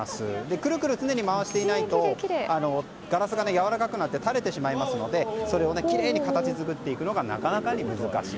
くるくる常に回していないとガラスがやわらかくなって垂れてしまいますのでそれをきれいに形作っていくのがなかなかに難しい。